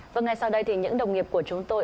và ngày sau đây thì những đồng nghiệp của chúng tôi